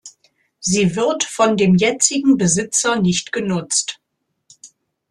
Sie wird von dem jetzigen Besitzer nicht genutzt.